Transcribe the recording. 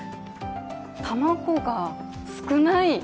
卵が少ない？